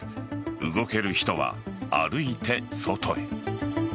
動ける人は歩いて外へ。